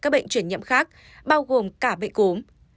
bao gồm cả bệnh cúm